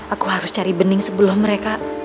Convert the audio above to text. aku harus cari bening sebelum mereka